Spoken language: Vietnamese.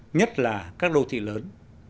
nhất là các đô thị lớn